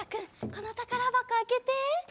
このたからばこあけて。